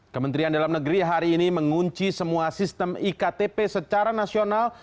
kementerian dalam negeri hari ini mengunci semua sistem iktp secara nasional